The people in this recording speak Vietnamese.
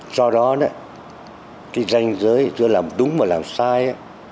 do đó cái danh giới giữa làm đúng và làm sai